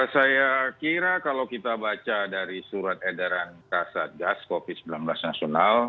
saya kira kalau kita baca dari surat edaran kasat gas covid sembilan belas nasional